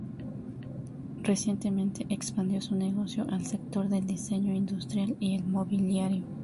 Recientemente expandió su negocio al sector del diseño industrial y el mobiliario.